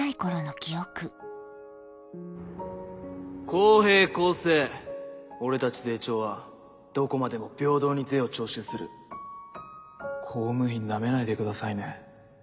公平公正俺たちゼイチョーはどこまでも平等に税を徴収する公務員ナメないでくださいね